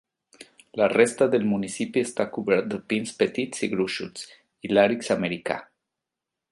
La resta del municipi està cobert de pins petits i gruixuts, i làrix americà.